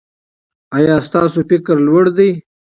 ایا ستاسو فکر لوړ دی؟